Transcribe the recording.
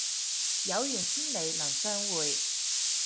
有緣千里能相會